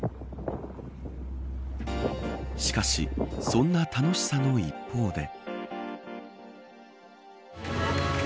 しかし、そんな楽しさの一方で。